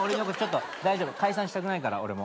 大丈夫。解散したくないから俺も。